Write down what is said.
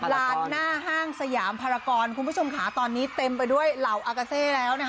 ลานหน้าห้างสยามภารกรคุณผู้ชมค่ะตอนนี้เต็มไปด้วยเหล่าอากาเซแล้วนะคะ